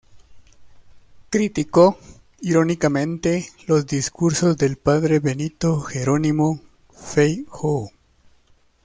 Criticó irónicamente los discursos del padre Benito Jerónimo Feijoo.